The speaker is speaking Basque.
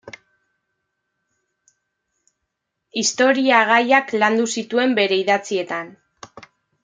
Historia gaiak landu zituen bere idatzietan.